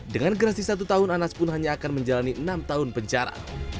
dengan gerasi satu tahun anas pun hanya akan menjalani enam tahun penjara